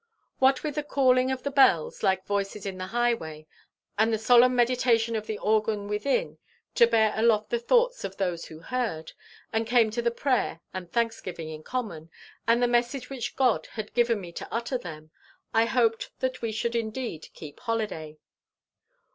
What with the calling of the bells, like voices in the highway, and the solemn meditation of the organ within to bear aloft the thoughts of those who heard, and came to the prayer and thanksgiving in common, and the message which God had given me to utter to them, I hoped that we should indeed keep holiday.